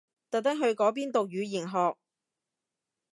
特登去嗰邊讀語言學？